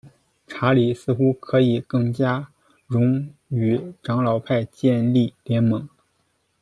查理似乎可以更加容与长老派建立联盟。